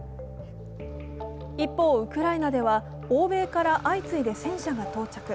一方、ウクライナでは欧米から相次いで戦車が到着。